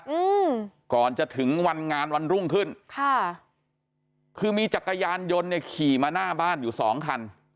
อืมก่อนจะถึงวันงานวันรุ่งขึ้นค่ะคือมีจักรยานยนต์เนี่ยขี่มาหน้าบ้านอยู่สองคัน